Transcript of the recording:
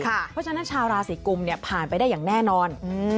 เพราะฉะนั้นชาวราศีกุมผ่านไปได้อย่างแน่นอน